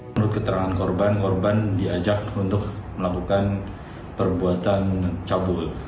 menurut keterangan korban korban diajak untuk melakukan perbuatan cabul